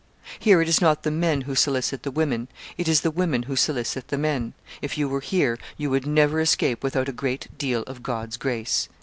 Here it is not the men who solicit the women; it is the women who solicit the men. If you were here, you would never escape without a great deal of God's grace."